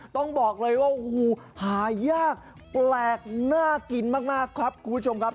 ต้องบอกเลยว่าโอ้โหหายากแปลกน่ากินมากครับคุณผู้ชมครับ